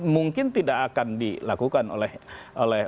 mungkin tidak akan dilakukan oleh